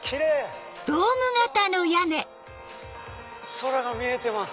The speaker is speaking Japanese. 空が見えてます！